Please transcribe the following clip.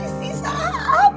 siapa dia dia itu anak baik